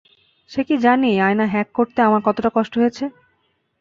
সে কি জানে এই আয়না হ্যাক করতে আমার কতোটা কষ্ট হয়েছে?